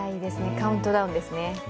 カウントダウンですね。